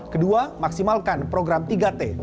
kedua maksimalkan program tiga t